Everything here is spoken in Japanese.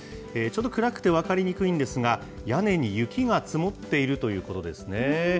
ちょうど暗くて分かりにくいんですが、屋根に雪が積もっているということですね。